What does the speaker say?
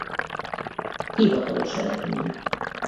Hivatalos eredmény